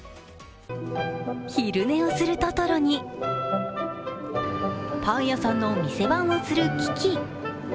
昼寝をするトトロにパン屋さんの店番をするキキ。